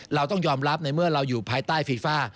เราต้องยอมรับในเมื่อเราอยู่ภายใต้ฟีฟ่า